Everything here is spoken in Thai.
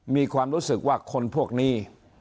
มีความรู้สึกว่าคนพวกนี้